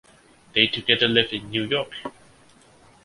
They together live in New York.